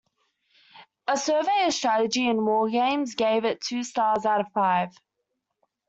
A survey of strategy and war games gave it two stars out of five.